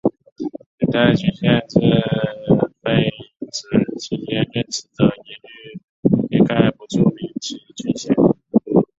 仅在军衔制废止期间任职者一概不注明其军衔。